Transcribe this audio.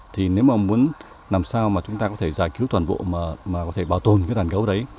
thì nếu mà muốn làm sao mà chúng ta có thể giải cứu toàn bộ mà có thể bảo tồn cái đàn gấu đấy